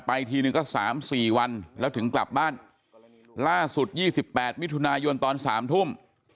ทีนึงก็๓๔วันแล้วถึงกลับบ้านล่าสุด๒๘มิถุนายนตอน๓ทุ่ม